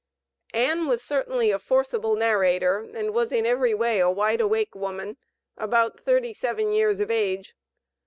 Ann was certainly a forcible narrator, and was in every way a wideawake woman, about thirty seven years of age.